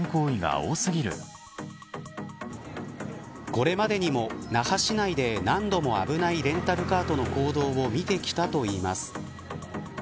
これまでにも、那覇市内で何度も、危ないレンタルカートの行動を見てきたといいます。